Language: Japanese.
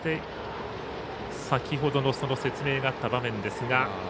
先ほどの説明があった場面です。